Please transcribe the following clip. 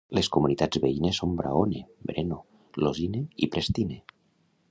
Les comunitats veïnes són Braone, Breno, Losine i Prestine.